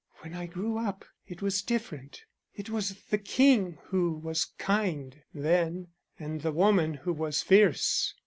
When I grew up it was different. It was the king who was kind then, and the woman who was fierce.